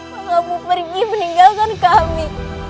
kamu pergi meninggalkan kami